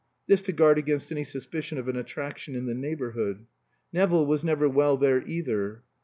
(This to guard against any suspicion of an attraction in the neighborhood.) "Nevill was never well there either."